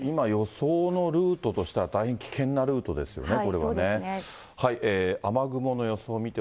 今、予想のルートとしては、大変危険なルートですよね、これはね。